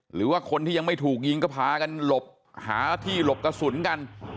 หรือว่าคนที่ยังไม่ถูกยิงก็พากันหลบหาที่หลบกระสุนกัน